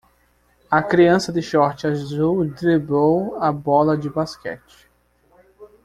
A criança de short azul driblou a bola de basquete.